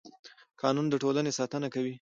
قانون د ټولنې ساتنه کوي